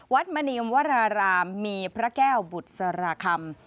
วัดมณีมวรรารามมีพระแก้วบุตสรคำ